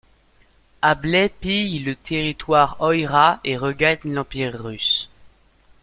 Ablai pille le territoire oïrat et regagne l’empire russe.